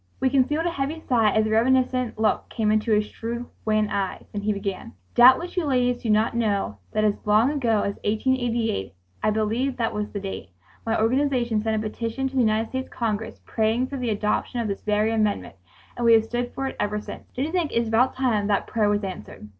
We concealed a heavy sigh as a reminiscent look came into his shrewd, wan eyes, and he began: "Doubtless you ladies do not know that as long ago as 1888" I believe that was the date "my organization sent a petition to the United States Congress praying for the adoption of this very amendment and we have stood for it ever since ...." "Don't you think it is about time that prayer was answered?"